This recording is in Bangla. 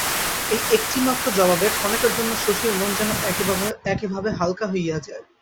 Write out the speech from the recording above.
এই একটিমাত্র জবাবে ক্ষণেকের জন্য শশীর মন যেন একেভাবে হালকা হইয়া যায়।